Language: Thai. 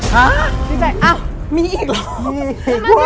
ฮะดีใจอ้าวมีอีกแล้ว